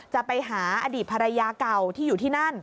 จะไปหาอดีตภรรยาเก่าที่อยู่ที่นั่น